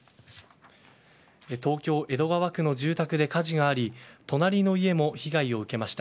東京、江戸川区の住宅で火事があり隣の家も被害を受けました。